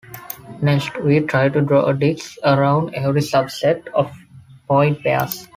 Next, we try to draw a disc around every subset of point pairs.